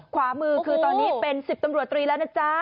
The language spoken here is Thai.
ขวามือคือตอนนี้เป็น๑๐ตำรวจตรีแล้วนะจ๊ะ